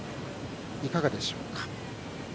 いかがでしょうか？